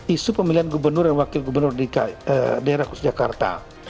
isu pemilihan gubernur dan wakil gubernur di daerah khusus jakarta